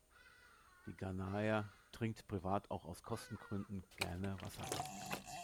Der Ghanaer trinkt privat auch aus Kostengründen gerne Wasser.